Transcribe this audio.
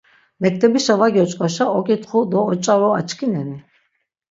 Mektebişa va guoç̆k̆aşa ok̆itxu do oç̆aru açkineni?